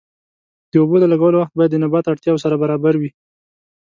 د اوبو د لګولو وخت باید د نبات اړتیاوو سره برابر وي.